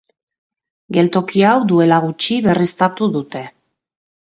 Geltoki hau duela gutxi berriztatu dute.